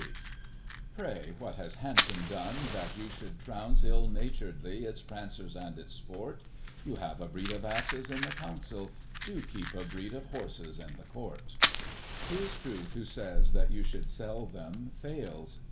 Digitized by Google i6 GOSSIP. [1837 III. Pray, what has Hampton done that you should trounce ill naturedly its prancers and its sport ? You have a breed of asses in the Council, Do keep a breed of horses in the Court. IV. His truth who says that you should sell them, fails.